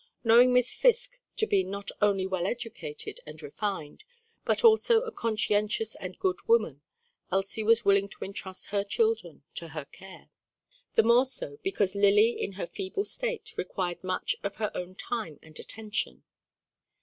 Knowing Miss Fisk to be not only well educated and refined, but also a conscientious and good woman, Elsie was willing to entrust her children to her care; the more so, because Lily in her feeble state, required much of her own time and attention.